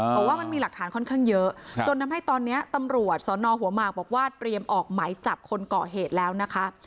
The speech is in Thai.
บอกว่ามันมีหลักฐานค่อนข้างเยอะจนทำให้ตอนนี้ตำรวจสนหัวหมากบอกว่าเตรียมออกไหมจับคนก่อเหตุแล้วนะคะ